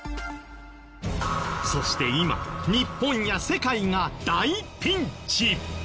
そして今日本や世界が大ピンチ！